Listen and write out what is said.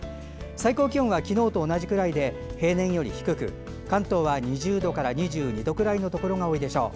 最高気温は昨日と同じくらいで平年よりは低く関東は２０度から２２度くらいのところが多いでしょう。